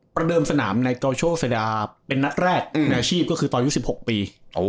ประเดิมสนามในต่อโชคเศร้าอาร์เป็นหน้าแรกในอาชีพก็คือตอนยุค๑๖ปี